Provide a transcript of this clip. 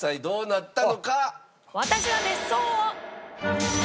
私は別荘を。